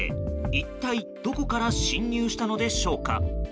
一体どこから進入したのでしょうか。